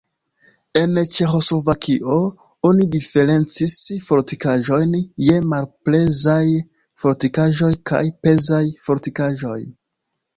En Ĉeĥoslovakio oni diferencis fortikaĵojn je malpezaj fortikaĵoj kaj pezaj fortikaĵoj.